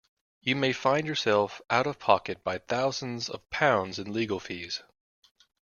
You may find yourself out of pocket by thousands of pounds in legal fees.